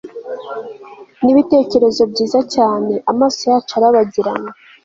nibitekerezo byiza cyane amaso yacu arabagirana